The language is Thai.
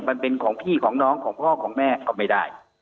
มันเป็นของพี่ของน้องของพ่อของแม่ก็ไม่ได้